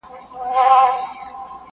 حيوان څه چي د انسان بلا د ځان دي،